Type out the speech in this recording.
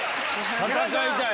戦いたい！